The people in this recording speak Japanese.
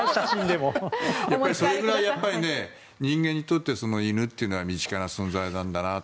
それくらい、やっぱり人間にとって犬というのは身近な存在なんだなと。